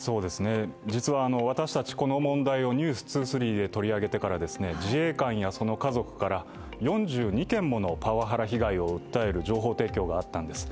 実は私たち、この問題を「ｎｅｗｓ２３」で取り上げてから自衛官やその家族から４２件ものパワハラ被害を訴える情報提供があったんです。